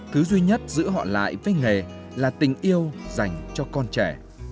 thứ duy nhất giữ họ lại với nghề là tình yêu dành cho con trẻ